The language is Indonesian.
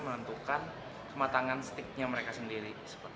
menentukan kematangan steak nya mereka sendiri